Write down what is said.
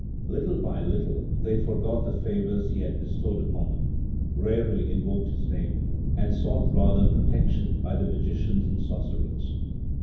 Little by little they forgot the favors he had bestowed upon them; rarely invoked his name, and sought rather protection by the magicians and sorcerers.